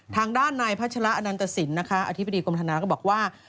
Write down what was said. ทางด้านในภาชละอนันตสินอธิบดีกรมธนาคมก็บอกว่า